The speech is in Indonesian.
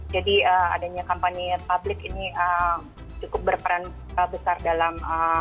jadi adanya kampanye publik ini cukup berperan besar dalam